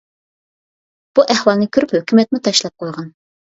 بۇ ئەھۋالنى كۆرۈپ ھۆكۈمەتمۇ تاشلاپ قويغان.